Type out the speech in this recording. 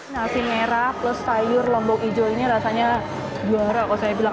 nasi merah plus sayur lombok hijau ini rasanya juara kalau saya bilang